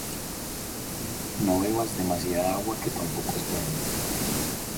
¡No bebas demasiada agua, que tampoco es bueno!